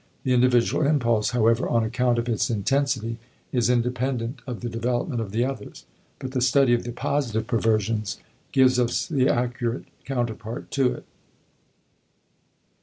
The individual impulse, however, on account of its intensity, is independent of the development of the others, but the study of the positive perversions gives us the accurate counterpart to it.